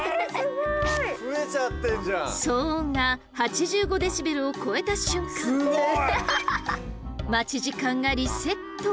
騒音が８５デシベルを超えた瞬間待ち時間がリセット。